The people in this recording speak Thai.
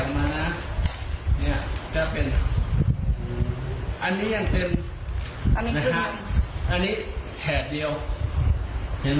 มีอะไรบ้างนี่ระยม